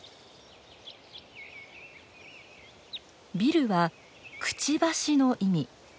ビルは「くちばし」の意味。